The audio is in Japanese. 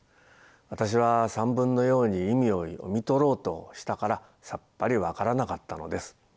私は散文のように意味を読み取ろうとしたからさっぱり分からなかったのです。